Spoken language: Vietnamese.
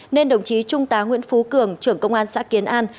nên đồng chí trung tá nguyễn phú cường trưởng công an xã kiến an